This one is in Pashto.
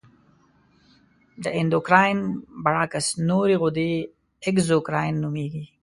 د اندورکراین برعکس نورې غدې اګزوکراین نومیږي.